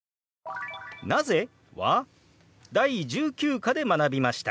「なぜ？」は第１９課で学びました。